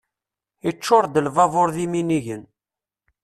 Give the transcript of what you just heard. Iččur-d lbabur d iminigen.